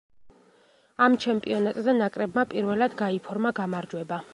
ამ ჩემპიონატზე ნაკრებმა პირველად გაიფორმა გამარჯვება.